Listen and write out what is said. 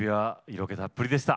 色気たっぷりでした。